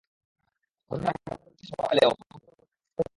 ঘটনার আগে-পরের video footage পাওয়া গেলেও প্রকৃত ঘটনার কোনো ফুটেজ পাওয়া যায়নি।